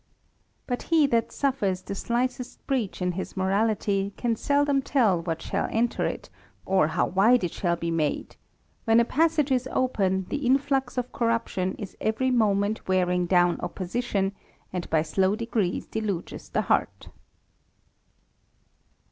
But he that suffers the slightest breach in his morality can seldom tell what shall enter it, or how wide it * Note XVII., Appendix. THE ^RAMBLER. 1 99 shall be made ; when a passage is open, the influx of corruption is every moment wearing down opposition, and by slow degrees deluges the heart.